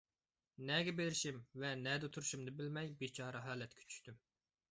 نەگە بېرىشىم ۋە نەدە تۇرۇشۇمنى بىلمەي بىچارە ھالەتكە چۈشتۈم.